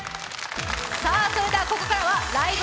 それではここからは「ライブ！